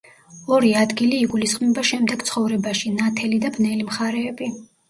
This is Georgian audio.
ორი ადგილი იგულისხმება შემდეგ ცხოვრებაში: ნათელი და ბნელი მხარეები.